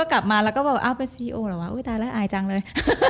กลับมาแล้วก็บอกว่าเป็นซีโอหรอว้าวอุ้ยไอจังเลย